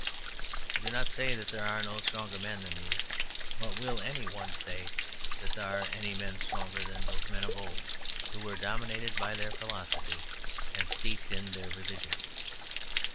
I do not say that there are no stronger men than these; but will any one say that there are any men stronger than those men of old who were dominated by their philosophy and steeped in their religion?